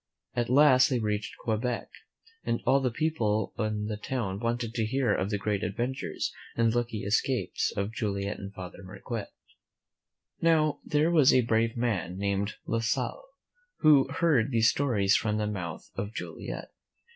At last they reached Quebec, and all the people in the town wanted to hear of the great adven tures and lucky escapes of Joliet and Father Marquette. Now, there was a brave man named La Salle, who heard these stories from the mouth of Joliet.